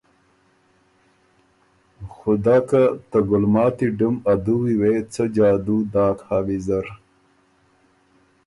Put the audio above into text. خُدۀ که ته ګلماتی ډُم ا دُوی وې څۀ جادو داک بُک ویزر،